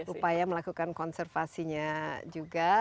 upaya melakukan konservasinya juga